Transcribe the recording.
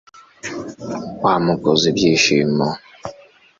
wamukoza ibishyimbo